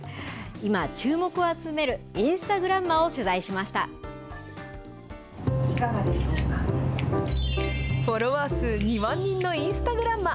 今注目を集めるインスタグランマをフォロワー数２万人のインスタグランマ